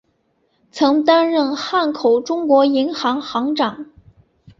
曾担任汉口中国银行行长。